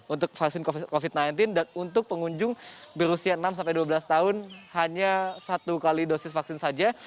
untuk vaksin covid sembilan belas dan untuk pengunjung berusia enam sampai dua belas tahun hanya satu kali dosis vaksin saja